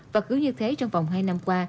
và cứ như thế trong vòng hai năm qua